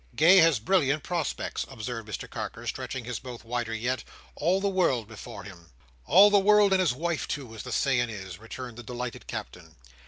"Gay has brilliant prospects," observed Mr Carker, stretching his mouth wider yet: "all the world before him." "All the world and his wife too, as the saying is," returned the delighted Captain.